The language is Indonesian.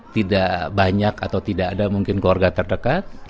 tidak banyak atau tidak ada mungkin keluarga terdekat